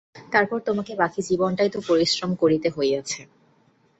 তারপর তোমাকে বাকী জীবনটাই তো পরিশ্রম করিতে হইয়াছে।